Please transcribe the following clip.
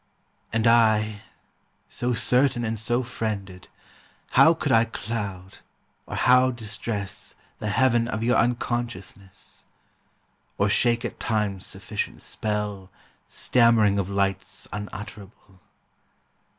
And I, so certain and so friended, How could I cloud, or how distress, The heaven of your unconsciousness ? Or shake at Time's sufficient spell, Stammering of lights unutterable?